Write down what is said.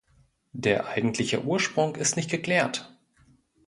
Der eigentliche Ursprung ist nicht geklärt.